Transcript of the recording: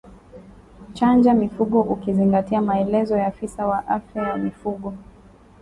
Chanja mifugo ukizingatia maelezo ya afisa wa afya ya mifugo